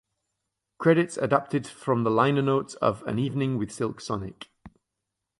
Credits adapted from the liner notes of "An Evening with Silk Sonic".